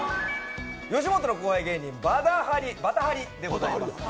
吉本の後輩芸人、バタハリでございます。